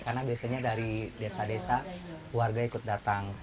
karena biasanya dari desa desa warga ikut datang